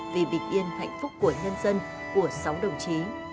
vì bình yên hạnh phúc của nhân dân của sáu đồng chí